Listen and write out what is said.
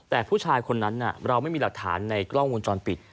แต่ผู้ชายคนนั้นเราไม่มีหลักฐานในกล้องวงจรปิด